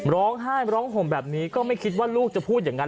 ร้องไห้ร้องห่มแบบนี้ก็ไม่คิดว่าลูกจะพูดอย่างนั้น